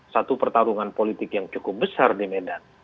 satu pertarungan politik yang cukup besar di medan